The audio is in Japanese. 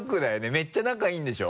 めっちゃ仲いいんでしょ？